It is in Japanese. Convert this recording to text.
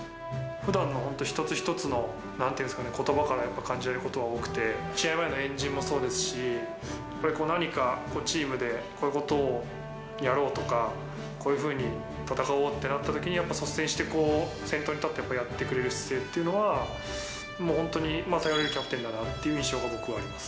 ふだんの本当、一つ一つの、なんていうんですかね、ことばから感じられることが多くて、試合前の円陣もそうですし、やっぱり何かチームでこういうことをやろうとか、こういうふうに戦おうってなったときに、やっぱり率先してこう、先頭に立ってやってくれる姿勢っていうのは、もう本当に、頼れるキャプテンだなっていう印象が僕はあります。